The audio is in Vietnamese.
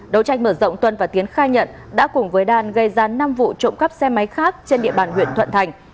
đấu tranh mở rộng tuân và tiến khai nhận đã cùng với đan gây ra năm vụ trộm cắp xe máy khác trên địa bàn huyện thuận thành